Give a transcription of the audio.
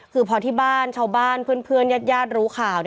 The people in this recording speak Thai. คือพอที่บ้านชาวบ้านเพื่อนญาติรู้ข่าว